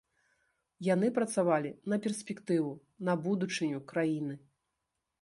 Яны працавалі на перспектыву, на будучыню краіны.